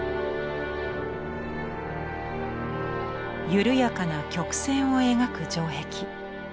緩やかな曲線を描く城壁。